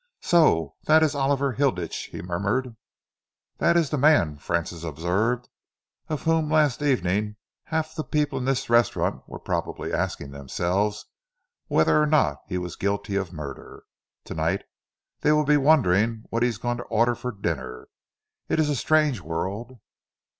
"So that is Oliver Hilditch," he murmured. "That is the man," Francis observed, "of whom last evening half the people in this restaurant were probably asking themselves whether or not he was guilty of murder. To night they will be wondering what he is going to order for dinner. It is a strange world."